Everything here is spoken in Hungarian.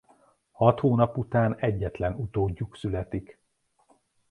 Hat hónap után egyetlen utódjuk születik.